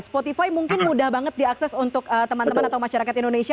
spotify mungkin mudah banget diakses untuk teman teman atau masyarakat indonesia